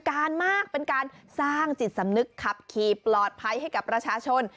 การมากเป็นการสร้างจิตสำนึกขับขี่ปลอดภัยให้กับประชาชน